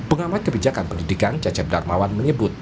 pengamat kebijakan pendidikan cecep darmawan menyebut